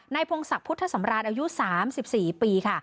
พงศักดิ์พุทธสำราญอายุ๓๔ปีค่ะ